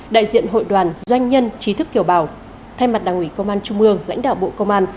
đại diện hội đoàn doanh nhân trí thức kiểu bào thay mặt đảng ủy công an trung mương lãnh đạo bộ công an